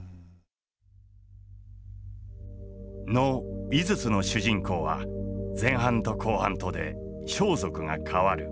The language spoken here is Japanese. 能「井筒」の主人公は前半と後半とで装束が替わる。